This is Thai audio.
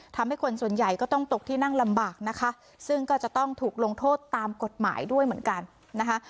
ทำให้คนส่วนใหญ่ก็ต้องตกที่นั่งลำบากนะคะซึ่งก็จะต้องถูกลงโทษตามกฎหมายด้วยเหมือนกันนะคะ